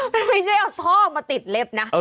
ไม่ใช่เอาท่อมาติดเล็บนะ